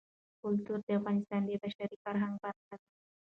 کلتور د افغانستان د بشري فرهنګ برخه ده.